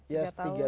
ya tiga tahunan